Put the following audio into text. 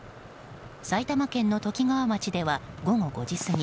埼玉県のときがわ町では午後５時過ぎ